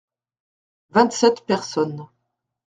Vingt-sept personnes.